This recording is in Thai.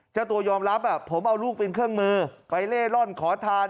เจ้าตัวยอมรับผมเอาลูกเป็นเครื่องมือไปเล่ร่อนขอทาน